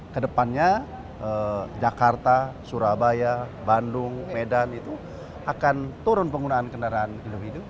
kedepannya jakarta surabaya bandung medan itu akan turun penggunaan kendaraan hidup hidup